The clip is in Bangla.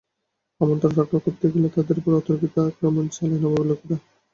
আমন্ত্রণ রক্ষা করতে এলে তাদের ওপর অতর্কিত আক্রমণ চালায় নবাবের লোকেরা।